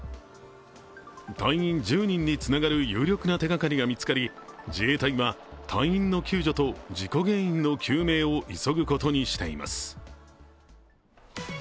隊員１０人につながる有力な手がかりが見つかり、自衛隊は隊員の救助と事故原因の究明を急ぐことにしています。